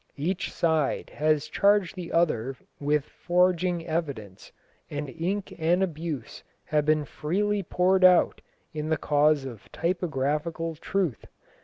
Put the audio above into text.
Each side has charged the other with forging evidence, and ink and abuse have been freely poured out in the cause of typographical truth.